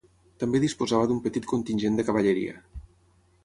També disposava d'un petit contingent de cavalleria.